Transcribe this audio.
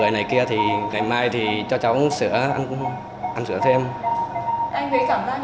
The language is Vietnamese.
anh thấy cảm giác như thế nào